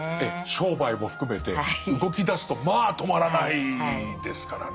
商売も含めて動きだすとまあ止まらないですからね。